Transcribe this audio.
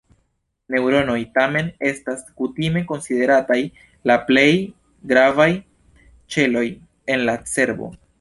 Neŭronoj, tamen, estas kutime konsiderataj la plej gravaj ĉeloj en la cerbo.